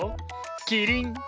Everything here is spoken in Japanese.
キリン！